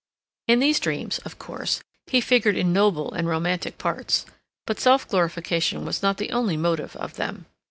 In these dreams, of course, he figured in noble and romantic parts, but self glorification was not the only motive of them.